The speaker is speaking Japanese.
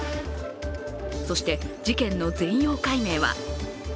そして、事件の全容解明は。